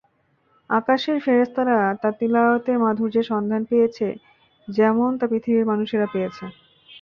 আকাশের ফেরেশতারা তাঁর তিলাওয়াতের মাধুর্যের সন্ধান পেয়েছে যেমন তা পৃথিবীর মানুষেরা পেয়েছে।